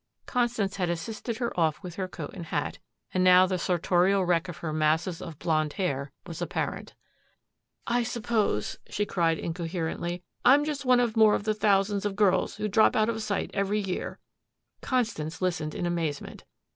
Constance had assisted her off with her coat and hat, and now the sartorial wreck of her masses of blonde hair was apparent. "I suppose," she cried incoherently, "I'm just one more of the thousands of girls who drop out of sight every year." Constance listened in amazement.